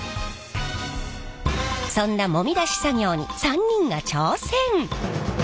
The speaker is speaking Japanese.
そんなもみ出し作業に３人が挑戦！